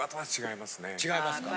違いますか？